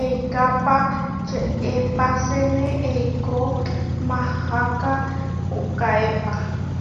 Eikápa čeepaséne eikó maháka pukaépa.